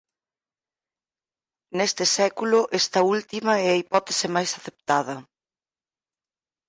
Neste século esta última é a hipótese máis aceptada.